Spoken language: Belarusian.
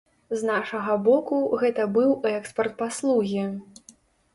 З нашага боку, гэта быў экспарт паслугі.